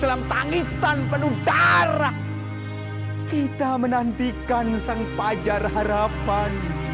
dalam tangisan penuh darah kita menantikan sang pajar harapan